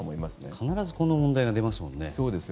必ずこの問題が出ますものね。